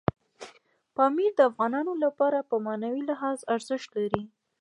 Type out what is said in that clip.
پامیر د افغانانو لپاره په معنوي لحاظ ارزښت لري.